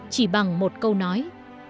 chỉ bằng một câu nói